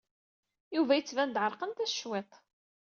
Yuba yettban-d ɛerqent-as cwiṭ.